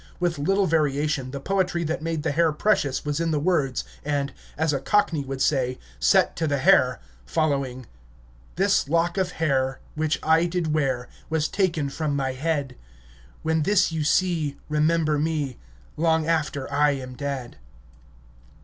With little variation, the poetry that made the hair precious was in the words, and, as a Cockney would say, set to the hair, following: "This lock of hair, Which I did wear, Was taken from my head; When this you see, Remember me, Long after I am dead."